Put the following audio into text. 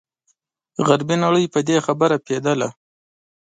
غربي نړۍ په دې خبره پوهېدله.